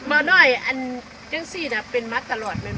มันน้อยอันจังสี่น่ะเป็นมักตลอดมันบอก